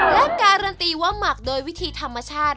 และการันตีว่าหมักโดยวิธีธรรมชาติ